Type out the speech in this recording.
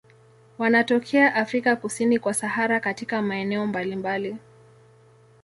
Wanatokea Afrika kusini kwa Sahara katika maeneo mbalimbali.